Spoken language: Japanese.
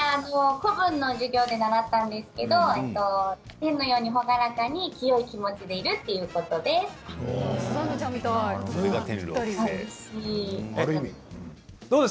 古文の授業で習ったんですけれど天のように朗らかに強い気持ちでいるということです。